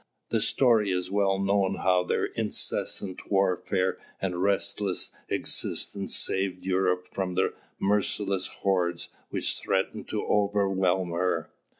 The story is well known how their incessant warfare and restless existence saved Europe from the merciless hordes which threatened to overwhelm her.